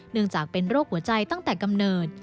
จากเป็นโรคหัวใจตั้งแต่กำเนิด